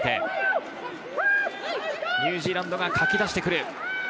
ニュージーランドがかき出してくる。